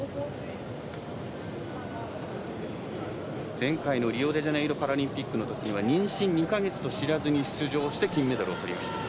前回のリオデジャネイロパラリンピックのときには妊娠２か月と知らずに出場して金メダルをとりました。